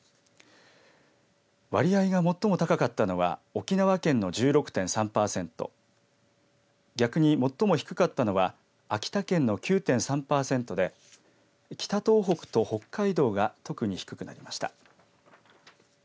割合が最も高かったのは沖縄県の１６．３パーセント逆に最も低かったのは秋田県の９．３パーセントで北東北と北海道が特に低くなりました。